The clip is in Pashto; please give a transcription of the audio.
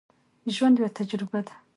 ژوند یوه تجربه ده.